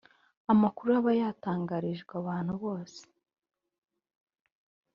amakuru aba yatangarijwe abantu bose